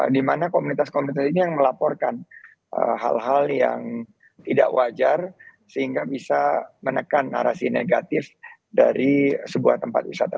di mana komunitas komunitas ini yang melaporkan hal hal yang tidak wajar sehingga bisa menekan narasi negatif dari sebuah tempat wisata